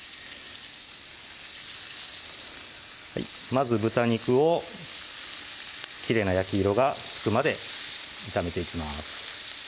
まず豚肉をきれいな焼き色がつくまで炒めていきます